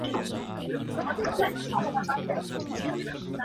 Ka nungak he lengah chuak ka duh.